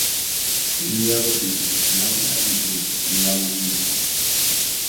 Tenían dos hijas, Laura y Erika, y varios nietos.